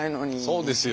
そうですよ